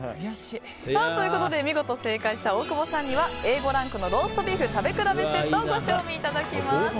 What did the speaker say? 見事正解した大久保さんにはＡ５ランクのローストビーフ食べ比べセットをご賞味いただきます。